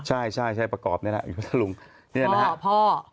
ใช่ใช่ใช่ประกอบนี่แหละพระทะลุงเนี่ยนะฮะพ่อพ่อ